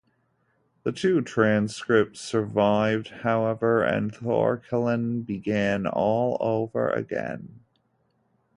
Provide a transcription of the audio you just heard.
The two transcripts survived, however, and Thorkelin began all over again.